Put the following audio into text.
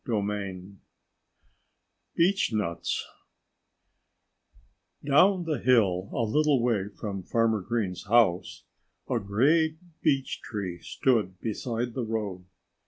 XXI BEECHNUTS Down the hill, a little way from Farmer Green's house, a great beech tree stood beside the road.